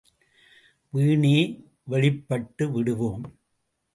வீணே வெளிப்பட்டு விடுவோம்.